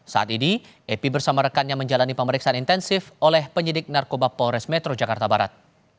saat ini epi bersama rekannya menjalani pemeriksaan intensif oleh penyidik narkoba polres metro jakarta barat